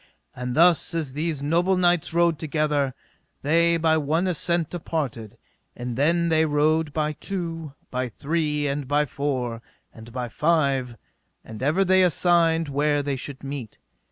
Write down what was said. And thus as these noble knights rode together, they by one assent departed, and then they rode by two, by three, and by four, and by five, and ever they assigned where they should meet.